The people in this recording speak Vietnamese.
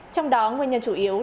trong đó nguyên nhân chủ yếu